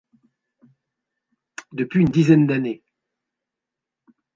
Depuis une dizaine d'années.